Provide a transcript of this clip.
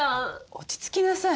落ち着きなさい